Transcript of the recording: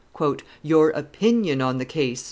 "Your opinion on the case!"